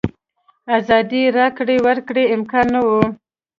ازادې راکړې ورکړې امکان نه و.